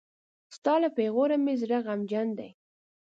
ستا له پېغوره مې زړه غمجن دی.